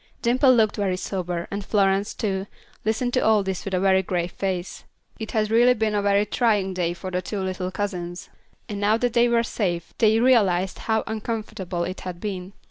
Dimple looked very sober, and Florence, too, listened to all this with a very grave face. It had really been a very trying day for the two little cousins, and now that they were safe, they realized how uncomfortable it had been.